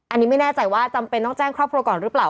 อันนี้ไม่แน่ใจว่าจำเป็นต้องแจ้งครอบครัวก่อนหรือเปล่า